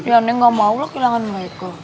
ya neng gak maulah kehilangan mereka